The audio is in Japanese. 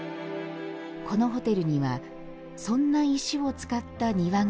このホテルにはそんな石を使った庭が残ります。